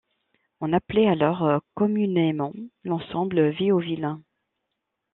On appelait alors communément l'ensemble Viauville.